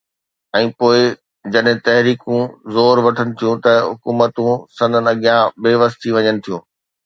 ۽ پوءِ جڏهن تحريڪون زور وٺن ٿيون ته حڪومتون سندن اڳيان بي وس ٿي وڃن ٿيون.